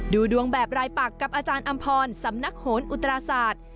ดูดวงแบบรายปักกับอาจารย์อำพรสำนักโหนอุตราศาสตร์